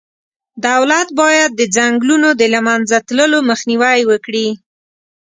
دولت باید د ځنګلونو د له منځه تللو مخنیوی وکړي.